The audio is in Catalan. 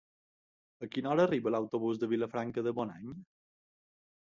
A quina hora arriba l'autobús de Vilafranca de Bonany?